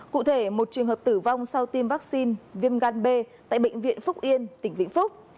cụ thể một trường hợp tử vong sau tiêm vaccine viêm gan b tại bệnh viện phúc yên tỉnh vĩnh phúc